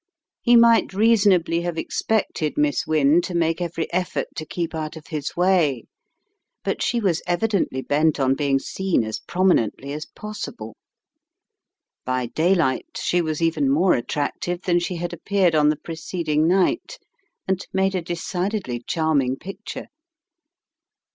He might reasonably have expected Miss Wynne to make every effort to keep out of his way, but she was evidently bent on being seen as prominently as possible. By daylight she was even more attractive than she had appeared on the preceding night, and made a decidedly charming picture.